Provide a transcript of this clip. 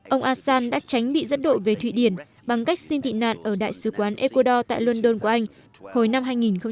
ông assange đã tránh bị dẫn đội về thụy điển bằng cách xin thị nạn ở đại sứ quán ecuador tại london của anh hồi năm hai nghìn một mươi hai